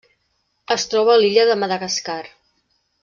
Es troba a l'illa de Madagascar.